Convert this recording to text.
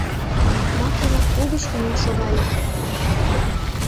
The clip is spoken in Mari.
— Макева угыч кынел шогале.